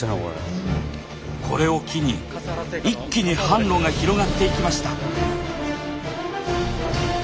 これを機に一気に販路が広がっていきました。